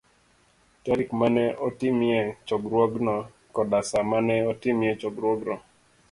tarik ma ne otimie chokruogno, koda sa ma ne otimie chokruogno